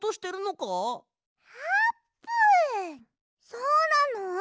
そうなの！？